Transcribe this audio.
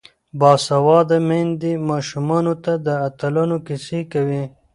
باسواده میندې ماشومانو ته د اتلانو کیسې کوي.